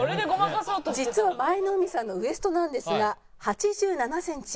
実は舞の海さんのウエストなんですが８７センチ。